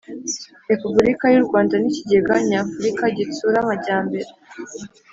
Repubulika y’u Rwanda n’Ikigega Nyafurika Gitsura Amajyambere